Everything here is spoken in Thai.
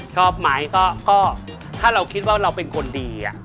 ชอบไหมก็ถ้าเราคิดว่าเราเป็นคนดี